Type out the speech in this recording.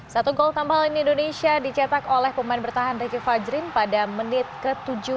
satu gol tambahan indonesia dicetak oleh pemain bertahan ricky fajrin pada menit ke tujuh puluh